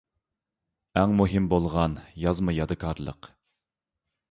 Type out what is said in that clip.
ئەڭ مۇھىم بولغان يازما يادىكارلىق.